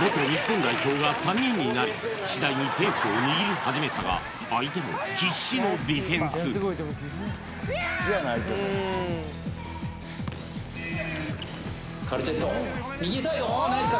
元日本代表が３人になり次第にペースを握り始めたが相手も必死のディフェンスカルチェット右サイド